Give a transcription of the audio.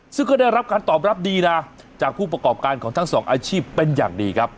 ซึ่งก็ได้รับการตอบรับดีนะจากผู้ประกอบการของทั้งสองอาชีพเป็นอย่างดีครับ